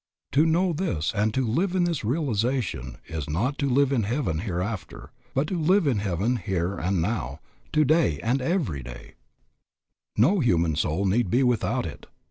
To know this and to live in this realization is not to live in heaven hereafter, but to live in heaven here and now, today and every day. No human soul need be without it.